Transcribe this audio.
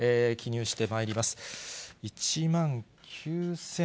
記入してまいります。